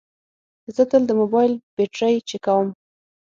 زه تل د موبایل بیټرۍ چیکوم.